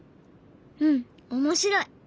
うん面白い！